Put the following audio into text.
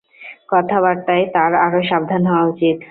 কথাবার্তায় তার আরো সাবধান হওয়া উচিত।